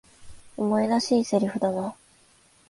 お前らしい台詞だな。